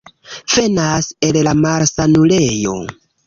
Venas el la malsanulejo?